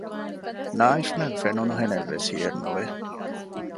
ނާއިފްމެން ފެނުނުހެނެއްވެސް ހިއެއް ނުވެ